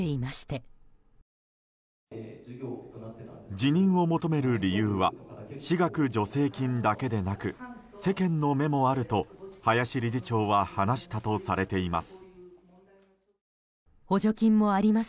辞任を求める理由は私学助成金だけでなく世間の目もあると林理事長は話したとされています。